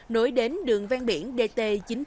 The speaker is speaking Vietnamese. nối đến đường ven biển dt chín trăm chín mươi